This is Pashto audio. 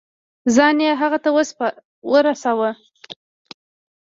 ځان يې هغه ته ورساوه.